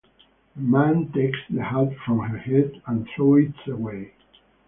A man takes the hat from her head and throws it away.